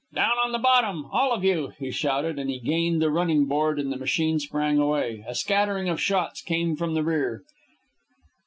"Down on the bottom! all of you!" he shouted, as he gained the running board and the machine sprang away. A scattering of shots came from the rear.